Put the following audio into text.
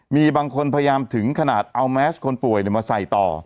มีบางคนพยายามถึงขนาดเอาแมสคนป่วยมาใส่ต่อ